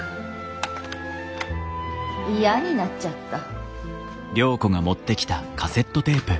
嫌になっちゃった。